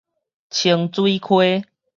清水溪